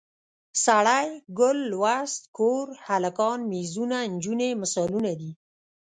سړی، ګل، لوست، کور، هلکان، میزونه، نجونې مثالونه دي.